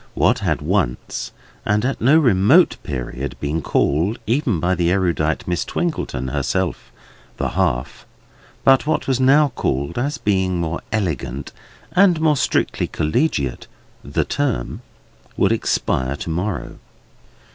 What had once, and at no remote period, been called, even by the erudite Miss Twinkleton herself, "the half," but what was now called, as being more elegant, and more strictly collegiate, "the term," would expire to morrow.